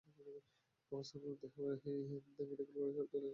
অবস্থার অবনতি হওয়ায় চট্টগ্রাম মেডিকেল কলেজ হাসপাতালে নেওয়ার পথে তাঁর মৃত্যু হয়।